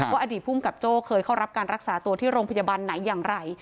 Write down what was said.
อดีตภูมิกับโจ้เคยเข้ารับการรักษาตัวที่โรงพยาบาลไหนอย่างไร